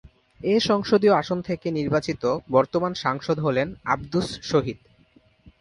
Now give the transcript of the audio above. এ সংসদীয় আসন থেকে নির্বাচিত বর্তমান সাংসদ হলেন আব্দুস শহীদ।